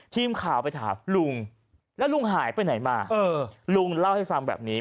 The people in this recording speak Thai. ทีมข่าวไปถามลุงแล้วลุงหายไปไหนมาลุงเล่าให้ฟังแบบนี้